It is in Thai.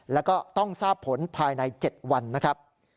แล้วก็ต้องทราบผลภายใน๗วันนะครับ